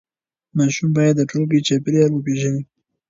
ماشوم باید د ټولګي چاپېریال وپیژني.